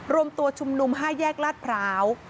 รวมตัวชุมนุม๕แยกลาดพร้าว